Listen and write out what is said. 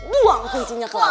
buang kuncinya ke laut